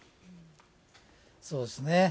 そうですね。